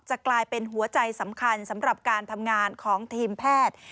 กลายเป็นหัวใจสำคัญสำหรับการทำงานของทีมแพทย์